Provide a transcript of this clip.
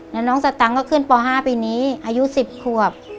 แล้วน้องสตังค์ก็ขึ้นป๕ปีนี้อายุ๑๐ขวบ